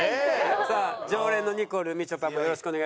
さあ常連のニコルみちょぱもよろしくお願いします。